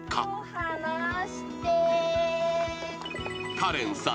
［カレンさん